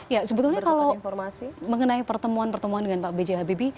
ya sebetulnya kalau informasi mengenai pertemuan pertemuan dengan pak b j habibie